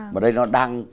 mà đây nó đang